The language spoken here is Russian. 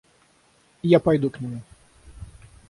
Я пойду к нему.